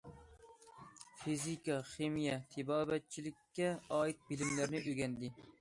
فىزىكا، خىمىيە، تېبابەتچىلىككە ئائىت بىلىملەرنى ئۆگەندى.